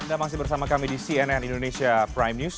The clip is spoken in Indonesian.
anda masih bersama kami di cnn indonesia prime news